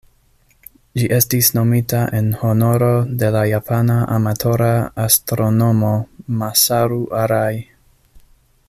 Ĝi estis nomita en honoro de la japana amatora astronomo Masaru Arai.